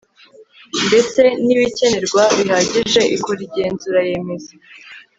ndetse n ibikenerwa bihagije ikora igenzura yemeza